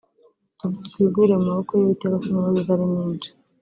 twigwire mu maboko y'uwiteka kuko imbabazi ze ari nyinshi